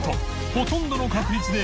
ほとんどの確率で）